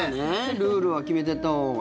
ルールは決めてあったほうが。